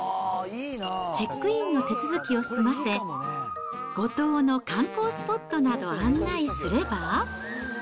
チェックインの手続きを済ませ、五島の観光スポットなどを案内すれば。